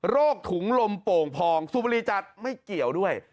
ถุงลมโป่งพองสุบุรีจัดไม่เกี่ยวด้วย